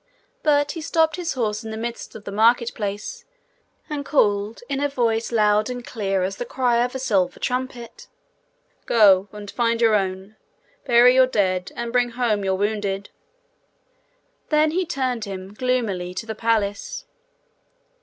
But he stopped his horse in the midst of the market place, and called, in a voice loud and clear as the cry of a silver trumpet, 'Go and find your own. Bury your dead, and bring home your wounded.' Then he turned him gloomily to the palace.